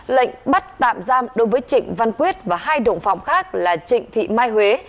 lệnh bắt tạm giam đối với trịnh văn quyết và hai động phòng khác là trịnh thị mai huế